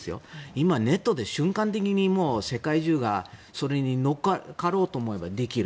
今はネットで瞬間的に世界中がそれに乗っかろうと思えばできる。